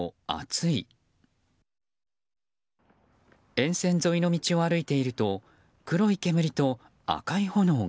沿線沿いの道を歩いていると黒い煙と赤い炎が。